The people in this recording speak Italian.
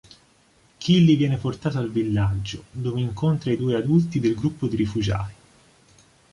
Killy viene portato al villaggio, dove incontra i due adulti del gruppo di rifugiati.